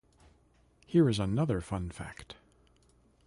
Here another fun fact.